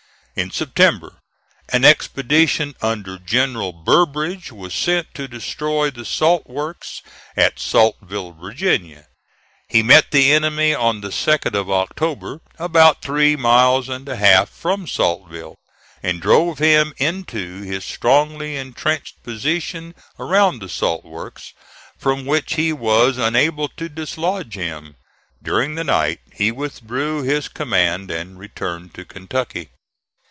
In September, an expedition under General Burbridge was sent to destroy the saltworks at Saltville, Virginia. He met the enemy on the 2d of October, about three miles and a half from Saltville, and drove him into his strongly intrenched position around the salt works, from which he was unable to dislodge him. During the night he withdrew his command and returned to Kentucky.